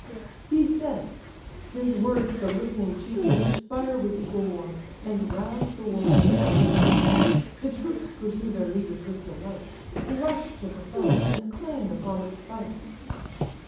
He said; his words the listening chief inspire With equal warmth, and rouse the warrior's fire; The troops pursue their leaders with delight, Rush to the foe, and claim the promised fight.